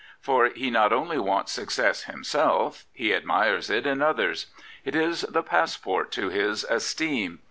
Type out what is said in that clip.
' For he "noV only "wants success himself; he admires it in others. It is the passport to his esteem.